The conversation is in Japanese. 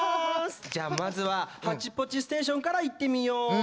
じゃあまずは「ハッチポッチステーション」からいってみよう。